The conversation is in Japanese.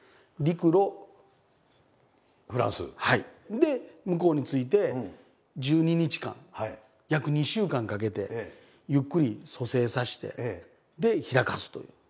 で向こうに着いて１２日間約２週間かけてゆっくり蘇生させてで開かすという。